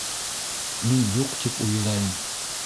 Мин юҡ тип уйҙайым!